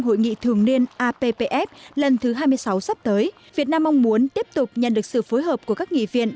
hội nghị thường niên appf lần thứ hai mươi sáu sắp tới việt nam mong muốn tiếp tục nhận được sự phối hợp của các nghị viện